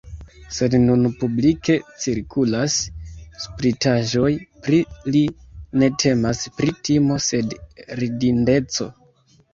Se nun publike cirkulas spritaĵoj pri li, ne temas pri timo sed ridindeco.